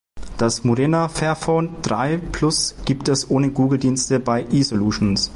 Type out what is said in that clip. Das Murena Fairphone drei plus gibt es ohne Google Dienste bei "eSolutions".